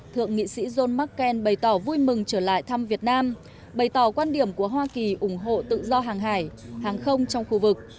thượng nghị sĩ john mccain bày tỏ vui mừng trở lại thăm việt nam bày tỏ quan điểm của hoa kỳ ủng hộ tự do hàng hải hàng không trong khu vực